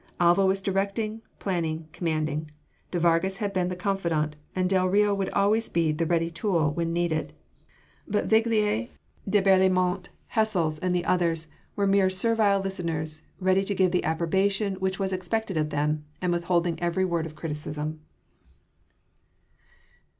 Alva was directing, planning, commanding, de Vargas had been the confidant, and del Rio would always be the ready tool when needed: but Viglius, de Berlaymont, Hessels, and the others, were mere servile listeners, ready to give the approbation which was expected of them and withholding every word of criticism.